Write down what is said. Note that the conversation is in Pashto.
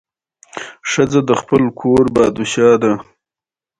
نورو ته هم هغه څه خوښ کړي چې د ځان لپاره يې خوښوي.